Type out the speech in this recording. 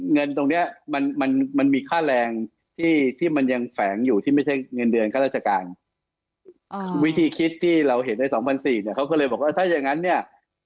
เงินตรงเนี้ยมันมันมีค่าแรงที่มันยังแฝงอยู่ที่ไม่ใช่เงินเดือนค่าราชการวิธีคิดที่เราเห็นในสองพันสี่เนี่ยเขาก็เลยบอกว่าถ้าอย่างงั้นเนี่ย